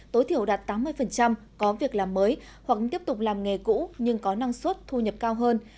tối thiểu đạt tám mươi có việc làm mới hoặc tiếp tục làm nghề cũ nhưng có năng suất thu nhập cao hơn